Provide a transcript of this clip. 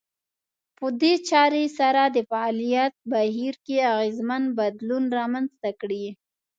په دې چارې سره د فعاليت بهير کې اغېزمن بدلون رامنځته کړي.